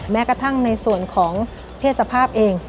แม้กระทั่งในส่วนของเพศสภาพเอง